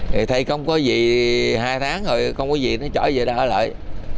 thì thấy không có gì hai tháng rồi không có gì nó trở về đâu lại